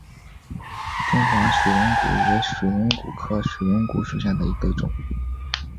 中华水龙骨为水龙骨科水龙骨属下的一个种。